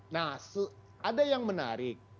nah ada yang menarik